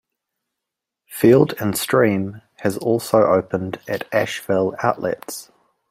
Field and Stream has also opened at Asheville Outlets.